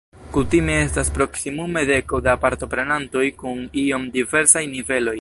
Kutime estas proksimume deko da partoprenantoj kun iom diversaj niveloj.